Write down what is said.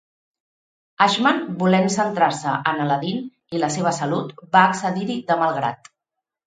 Ashman, volent centrar-se en "Aladdin" i la seva salut, va accedir-hi de mal grat.